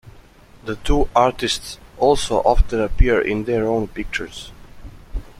The two artists also often appear in their own "pictures".